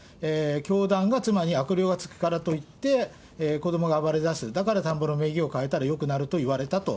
教団が妻に悪霊がつくからと言って、子どもが暴れ出す、だから田んぼの名義を変えたらよくなると言われたと。